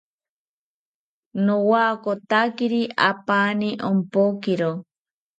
Nowakotakiri apani ompokiro